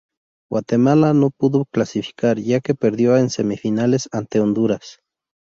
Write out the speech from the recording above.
Guatemala no pudo clasificar ya que perdió en semifinales ante Honduras.